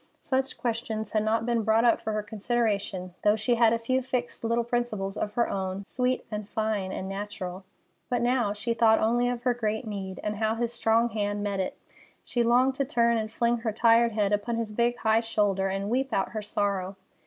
Such questions had not been brought up for her consideration, though she had a few fixed little principles of her own, sweet and fine and natural. But now she thought only on her great need, and how this strong hand met it. She longed to turn and fling her tired head upon his big, high shoulder and weep out her sorrow.